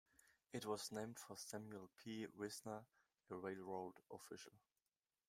It was named for Samuel P. Wisner, a railroad official.